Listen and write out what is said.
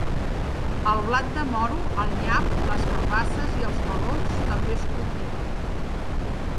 El blat de moro, el nyam, les carabasses i els melons també es cultiven.